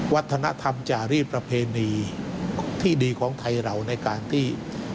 วัฒนธรรมจารีสประเพณีที่ดีของไทยเราในการที่